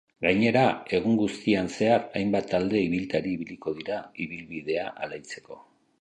Gainera, egun guztian zehar hainbat talde ibiltari ibiliko dira ibilbidea alaitzeko.